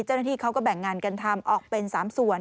เจ้าหน้าที่เขาก็แบ่งงานกันทำออกเป็น๓ส่วน